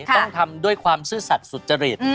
ต้องทำด้วยความซื่อสัตว์สุจริต